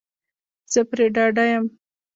زه پری ډاډه یم